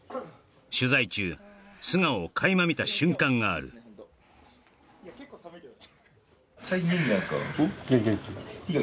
取材中素顔を垣間見た瞬間がある・最近元気なんすか？